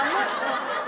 aku tuh suka mikirin kamu